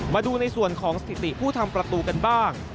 มาดูในส่วนของสถิติผู้ทำประตูกันบ้าง